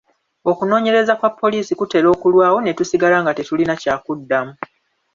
Okunoonyereza kwa poliisi kutera okulwawo ne tusigala nga tetulina kyakuddamu.